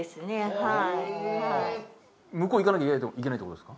はいはい向こう行かなきゃいけないってことですか？